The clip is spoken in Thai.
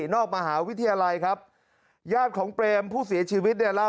นอกมหาวิทยาลัยครับญาติของเปรมผู้เสียชีวิตเนี่ยเล่า